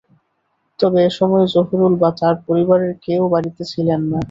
তবে এ সময় জহুরুল বা তাঁর পরিবারের কেউ বাড়িতে ছিলেন না।